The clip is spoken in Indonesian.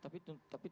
tapi tapi tapi